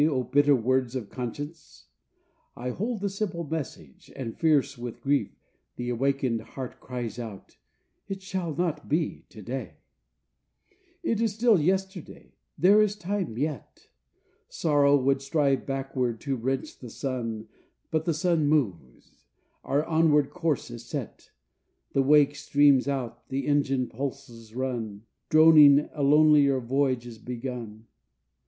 O bitter words of conscience! I hold the simple message, And fierce with grief the awakened heart cries out: 'It shall not be to day; It is still yesterday; there is time yet!' Sorrow would strive backward to wrench the sun, But the sun moves. Our onward course is set, The wake streams out, the engine pulses run Droning, a lonelier voyage is begun.